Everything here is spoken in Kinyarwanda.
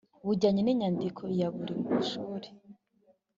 Bujyanye n inyandiko ya buri shuri